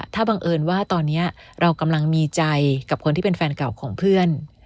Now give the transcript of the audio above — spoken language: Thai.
ถ้าบังเอิญว่าตอนนี้เรากำลังมีใจกับคนที่เป็นแฟนเก่าของเพื่อน